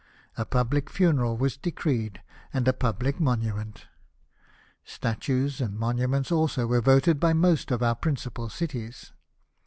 A public funeral Avas decreed, and a public monument. Statues and monuments also were voted by most of our principal cities.